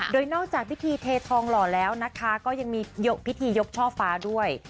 โดยนอกจากพิธีเททองหล่อแล้วนะคะก็ยังมีพิธียกช่อฟ้าด้วย